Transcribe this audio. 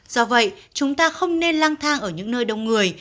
do vậy chúng ta không nên lang thang ở những nơi đông người